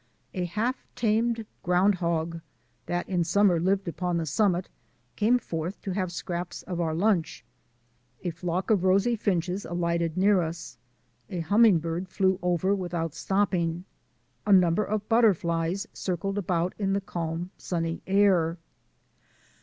A half tamed ground hog, that in summer lived upon the summit, came forth to have scraps of our lunch. A flock of rosy finches alighted near us. A humming bird flew over without stopping. A number of butterflies circled about in the calm, sunny air.